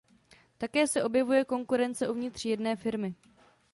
Také se objevuje konkurence uvnitř jedné firmy.